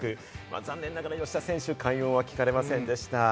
残念ながら吉田選手、快音は聞かれませんでした。